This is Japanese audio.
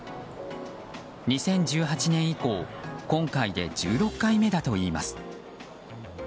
２０１８年以降今回で１６回目だといいます。